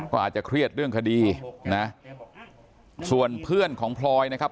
ก็อาจจะเครียดเรื่องคดีนะส่วนเพื่อนของพลอยนะครับ